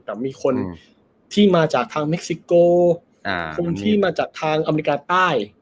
แต่มีคนที่มาจากทางเม็กซิโกคนที่มาจากทางอเมริกาใต้